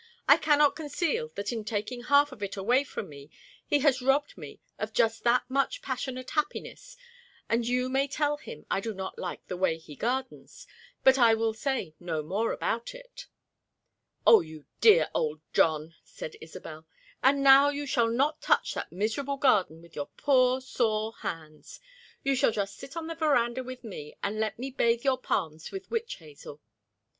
I cannot conceal that in taking half of it away from me he has robbed me of just that much passionate happiness, and you may tell him I do not like the way he gardens, but I will say no more about it!" "Oh, you dear old John!" said Isobel. "And now you shall not touch that miserable garden with your poor sore hands. You shall just sit on the veranda with me and let me bathe your palms with witch hazel."